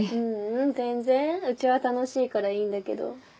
ううん全然うちは楽しいからいいんだけど。